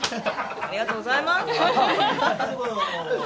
ありがとうございます。